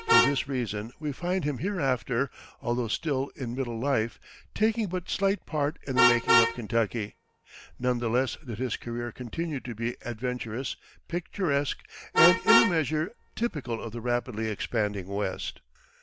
For this reason we find him hereafter, although still in middle life, taking but slight part in the making of Kentucky; none the less did his career continue to be adventurous, picturesque, and in a measure typical of the rapidly expanding West.